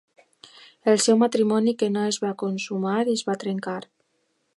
El seu matrimoni que no es va consumar, es va trencar.